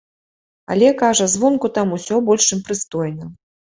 Але, кажа, звонку там усё больш чым прыстойна.